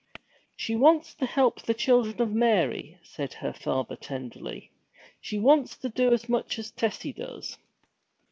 'She wants to help the Children of Mary!' said her father tenderly. 'She wants to do as much as Tessie does!'